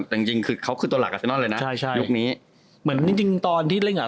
แต่จริงเขาตัวหลักอาเซจนอนกันเลยนะ